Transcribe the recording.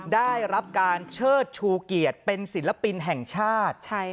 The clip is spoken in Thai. ได้รับการเชิดชูเกียรติเป็นศิลปินแห่งชาติ